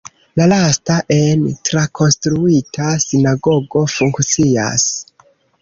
La lasta en trakonstruita sinagogo funkcias.